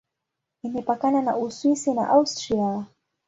Imepakana na Uswisi na Austria.